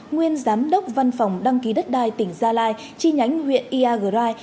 nguyên giám đốc văn phòng đăng ký đất đai tỉnh gia lai chi nhánh huyện iagrai